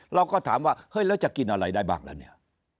เราก็ถามว่าเฮ้ยแล้วจะกินอะไรได้บ้างแล้วเนี่ย